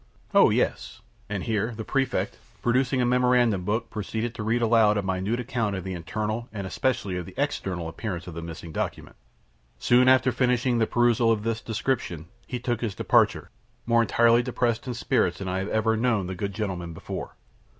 "Oh yes!" And here the Prefect, producing a memorandum book, proceeded to read aloud a minute account of the internal, and especially of the external, appearance of the missing document. Soon after finishing the perusal of this description, he took his departure, more entirely depressed in spirits than I had ever known the good gentleman before.